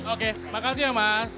oke makasih ya mas